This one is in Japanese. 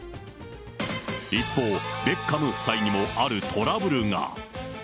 一方、ベッカム夫妻にも、あるトラブルが。